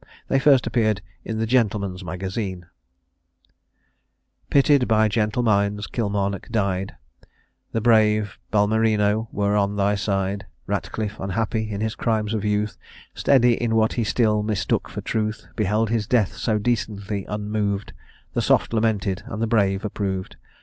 They first appeared in the Gentleman's Magazine: "Pitied by gentle minds, Kilmarnock died; The brave, Balmerino, were on thy side; Ratcliffe, unhappy in his crimes of youth, Steady in what he still mistook for truth, Beheld his death so decently unmoved, The soft lamented, and the brave approved.